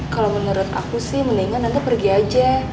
kalau menurut aku sih mendingan nanti pergi aja